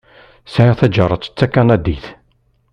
Sεiɣ taǧaret d takanadit.